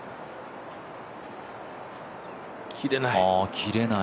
切れない。